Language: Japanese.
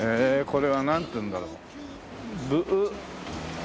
これはなんていうんだろう？